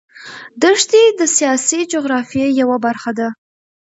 دښتې د سیاسي جغرافیه یوه برخه ده.